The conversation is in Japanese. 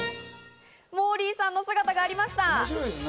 モーリーさんの姿がありました。